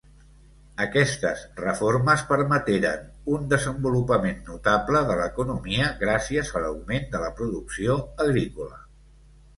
Aquestes reformes permeteren un desenvolupament notable de l'economia gràcies a l'augment de la producció agrícola.